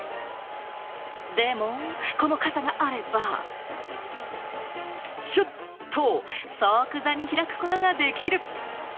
でも、この傘があれば、シュッと即座に開くことができる。